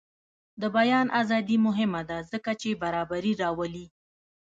د بیان ازادي مهمه ده ځکه چې برابري راولي.